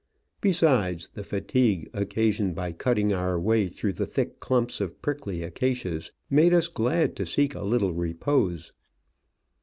Besides, the fatigue occasioned by cutting our way through the thick clumps of prickly acacias made us glad to seek a little repose.